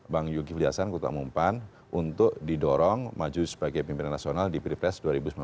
bang yogi flihassan kutamu pan untuk didorong maju sebagai pimpinan nasional di pilpres dua ribu sembilan belas